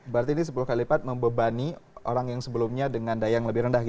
berarti ini sepuluh kali lipat membebani orang yang sebelumnya dengan daya yang lebih rendah gitu